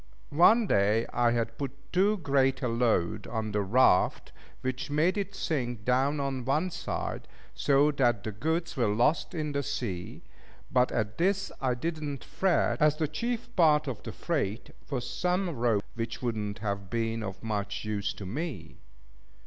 One day I had put too great a load on the raft, which made it sink down on one side, so that the goods were lost in the sea; but at this I did not fret, as the chief part of the freight was some rope, which would not have been of much use to me.